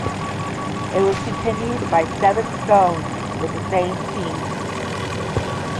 It was continued by seven stones with the same team.